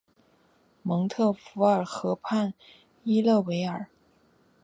蒙特福尔河畔伊勒维尔。